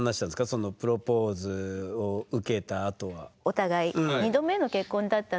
そのプロポーズを受けたあとは。